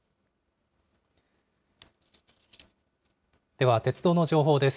では、鉄道の情報です。